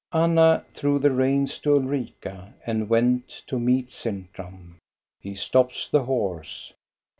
Anna threw the reins to Ulrika and went to meet Sintram. He stops the horse.